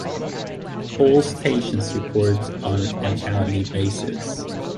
All stations report on an hourly basis.